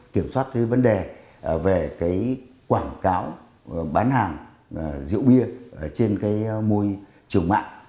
kiểm soát cái vấn đề về cái quảng cáo bán hàng rượu bia trên cái môi trường mạng